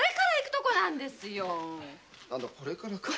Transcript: これからか？